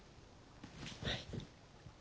はい。